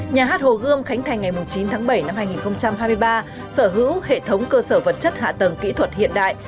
nhà hát hồ gươm khánh thành ngày chín tháng bảy năm hai nghìn hai mươi ba sở hữu hệ thống cơ sở vật chất hạ tầng kỹ thuật hiện đại